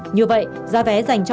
như vậy giá vé dành cho